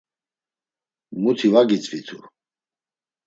Muti va gitzvitu.